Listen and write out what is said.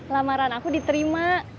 lamaran aku diterima